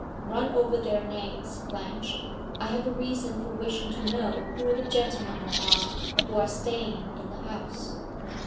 "Run over their names, Blanche. I have a reason for wishing to know who the gentlemen are who are staying in the house."